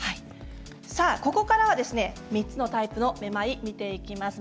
ここからは３つのタイプのめまい見ていきます。